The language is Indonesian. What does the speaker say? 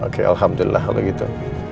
oke alhamdulillah gitu